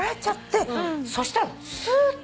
そしたらすーっと。